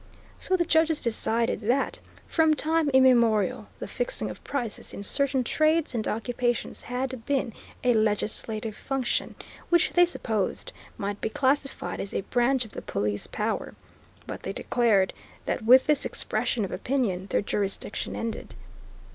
So the judges decided that, from time immemorial, the fixing of prices in certain trades and occupations had been a legislative function, which they supposed might be classified as a branch of the Police Power, but they declared that with this expression of opinion their jurisdiction ended.